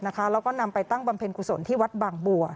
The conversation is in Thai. แล้วก็นำไปตั้งบำเพ็ญกุศลที่วัดบางบัว